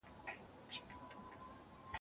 خپل سياسي ګوند د عامه افکارو پر بنسټ جوړ کړئ.